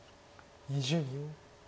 ２０秒。